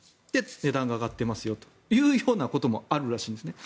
値段が上がっていますよということもあるらしいんですね。